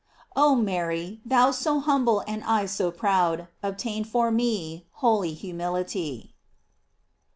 "f Oh Mary, thou so humble and I so proud, obtain for me holy humility.